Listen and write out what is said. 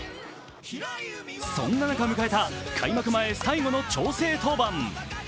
そんな中迎えた開幕前、最後の調整登板。